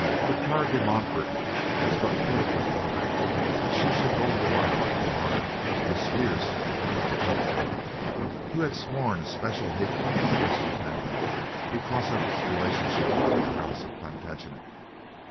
Bertrade de Montfort was but filled with wonder that she should owe her life and honor to this fierce, wild cut throat who had sworn especial hatred against her family, because of its relationship to the house of Plantagenet.